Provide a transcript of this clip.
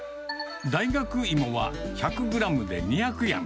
大学いもは１００グラムで２００円。